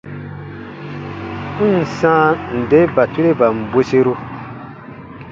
N ǹ sãa nde batureban bweseru.